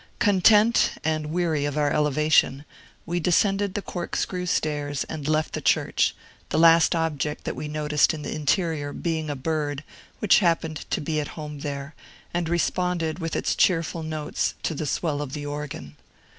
Content, and weary of our elevation, we descended the corkscrew stairs and left the church; the last object that we noticed in the interior being a bird, which appeared to be at home there, and responded with its cheerful notes to the swell of the organ.